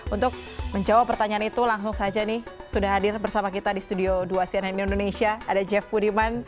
untuk menjawab pertanyaan itu langsung saja nih sudah hadir bersama kita di studio dua cnn indonesia ada jeff budiman